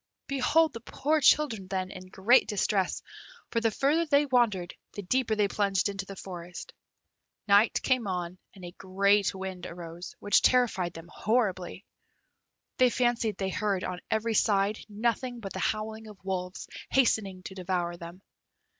Behold the poor children then, in great distress, for the further they wandered the deeper they plunged into the forest. Night came on, and a great wind arose, which terrified them horribly. They fancied they heard on every side nothing but the howling of wolves, hastening to devour them.